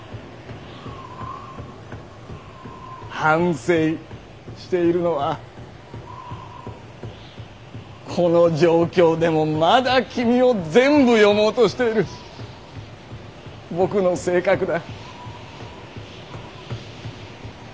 「反省」しているのはこの状況でもまだ君を全部読もうとしている僕の性格だ。